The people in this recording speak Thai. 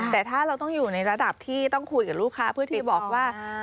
แต่ถ้าเราต้องอยู่ในระดับที่ต้องคุยกับลูกค้าเพื่อที่บอกว่า